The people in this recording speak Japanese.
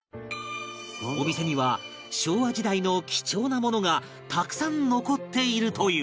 お店には昭和時代の貴重なものがたくさん残っているという